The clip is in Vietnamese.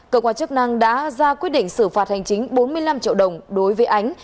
cơ quan chức năng đã ra quyết định xử phạt hành chính bốn mươi năm triệu đồng đối với ánh